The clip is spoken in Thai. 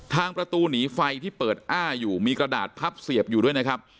ทางประตูหนีไฟที่เปิดอ้าอยู่มีกระดาษพับเสียบอยู่ด้วยนะครับ